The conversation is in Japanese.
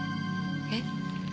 えっ？